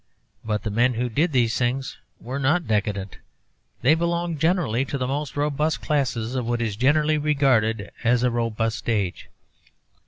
But the men who did these things were not decadent; they belonged generally to the most robust classes of what is generally regarded as a robust age.